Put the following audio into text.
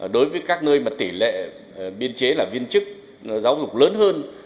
đối với các nơi mà tỷ lệ biên chế là viên chức giáo dục lớn hơn